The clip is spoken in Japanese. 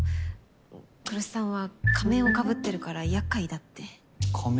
うん来栖さんは仮面をかぶってるからやっかいだって。仮面？